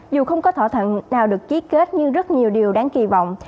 dù không có thỏa thuận nào được ký kết nhưng rất nhiều điều đáng kỳ vọng